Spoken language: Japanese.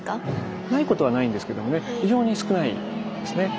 ないことはないんですけどもね非常に少ないですね。